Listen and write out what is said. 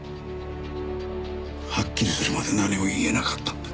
はっきりするまで何も言えなかった。